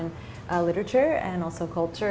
dan juga kultur